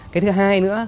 cái thứ hai nữa